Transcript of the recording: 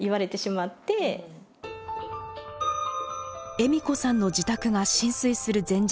栄美子さんの自宅が浸水する前日。